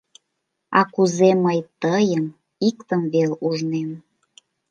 А кузе мый тыйым иктым вел ужнем.